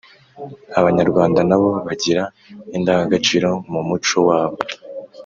abanyarwanda na bo bagira indangagaciro mu muco wabo.